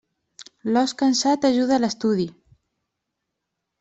L'os cansat ajuda a l'estudi.